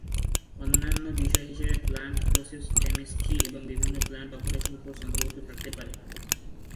অন্যান্য বিষয় হিসেবে প্লান্ট প্রসেস কেমিস্ট্রি এবং বিভিন্ন প্লান্ট অপারেশন কোর্স অন্তর্ভুক্ত থাকতে পারে।